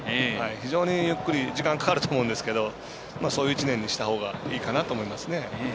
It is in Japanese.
非常にゆっくり時間はかかると思うんですけどそういう１年にしたほうがいいかなと思いますね。